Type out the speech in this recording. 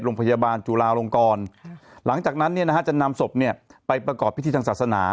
โรงพยาบาลจุลาลงกรหลังจากนั้นจะนำศพไปประกอบพิธีทางศาสนา